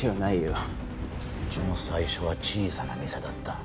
うちも最初は小さな店だった。